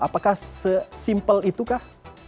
apakah sesimpel itukah